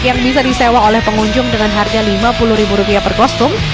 yang bisa disewa oleh pengunjung dengan harga rp lima puluh per kostum